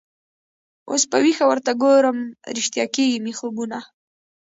اوس په ویښه ورته ګورم ریشتیا کیږي مي خوبونه